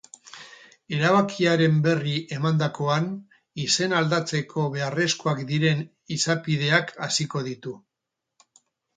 Erabakiaren berri emandakoan, izena aldatzeko beharrezkoak diren izapideak hasiko ditu.